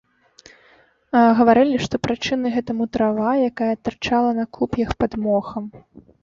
Гаварылі, што прычынай гэтаму трава, якая тырчала на куп'ях пад мохам.